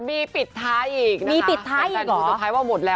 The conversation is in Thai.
มีปิดท้ายอีกหรอ